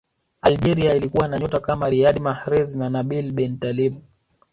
algeria ilikuwa na nyota kama riyad mahrez na nabil bentaleb